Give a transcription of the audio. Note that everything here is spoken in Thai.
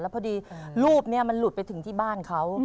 แล้วพอดีรูปมันหลุดไปถึงที่บ้านเขา